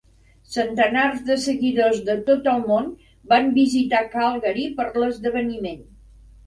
Centenars de seguidors de tot el món van visitar Calgary per l'esdeveniment.